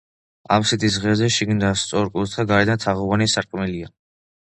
აფსიდის ღერძზე შიგნიდან სწორკუთხა, გარედან თაღოვანი სარკმელია.